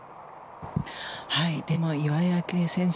でも、岩井明愛選手